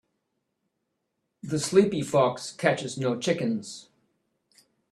The sleepy fox catches no chickens.